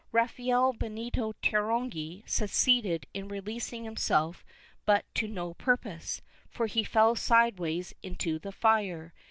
Rafael Benito Terongi succeeded in releasing himself but to no purpose, for he fell sideways into the fire.